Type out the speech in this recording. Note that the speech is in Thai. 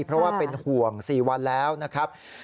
เพราะว่าเป็นห่วง๔วันแล้วนะครับ